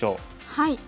はい。